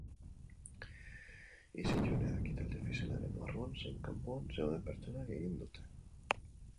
Isilunea ekitaldi ofizialaren barruan zein kanpoan zeuden pertsonak egin dute.